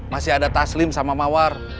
masih ada taslim sama mawar